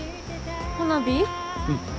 うん。